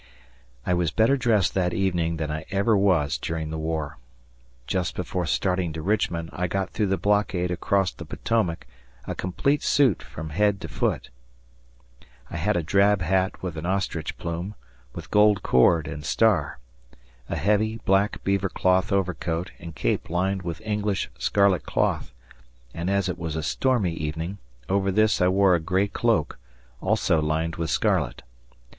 I was better dressed that evening than I ever was during the war. Just before starting to Richmond I got through the blockade across the Potomac a complete suit from head to foot. I had a drab hat with an ostrich plume, with gold cord and star; a heavy, black beaver cloth overcoat and cape lined with English scarlet cloth, and, as it was a stormy evening, over this I wore a gray cloak, also lined with scarlet.